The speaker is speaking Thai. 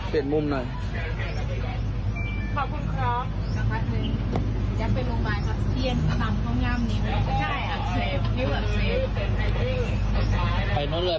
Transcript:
เปลี่ยนมุมหน่อยขอบคุณครับขอบคุณครับจะไปโรงพยาบาล